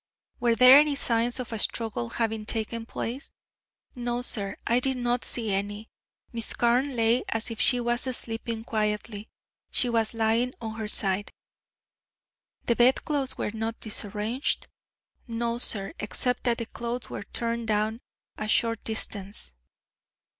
"Were there any signs of a struggle having taken place?" "No, sir, I did not see any. Miss Carne lay as if she was sleeping quietly. She was lying on her side." "The bedclothes were not disarranged?" "No, sir, except that the clothes were turned down a short distance."